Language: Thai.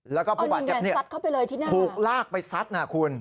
แล้วก็ผู้บาดเจ็บเนี่ยถูกลากไปซัดนะคุณเออนี่ไงซัดเข้าไปเลยที่หน้า